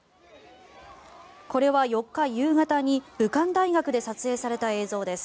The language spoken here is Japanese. これは４日夕方に武漢大学で撮影された映像です。